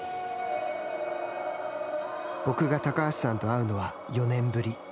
僕が高橋さんと会うのは４年ぶり。